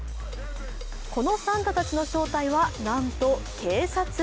このサンタたちの正体は、なんと警察。